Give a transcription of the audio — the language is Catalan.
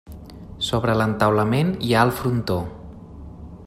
Sobre l'entaulament hi ha el frontó.